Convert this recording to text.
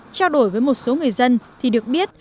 trao đổi với một số người dân thì được biết